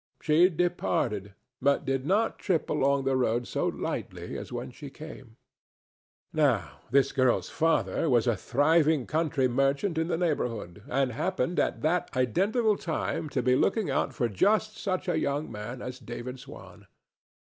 She departed, but did not trip along the road so lightly as when she came. Now, this girl's father was a thriving country merchant in the neighborhood, and happened at that identical time to be looking out for just such a young man as David Swan.